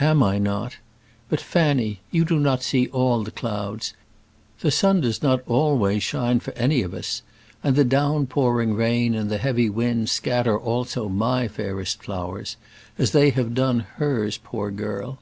"Am I not? But, Fanny, you do not see all the clouds. The sun does not always shine for any of us, and the down pouring rain and the heavy wind scatter also my fairest flowers, as they have done hers, poor girl.